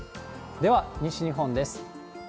では西日本です。